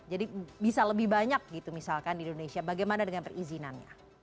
jadi bisa lebih banyak gitu misalkan di indonesia bagaimana dengan perizinan